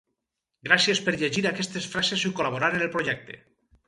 Gràcies per llegir aquestes frases i col.laborar en el projecte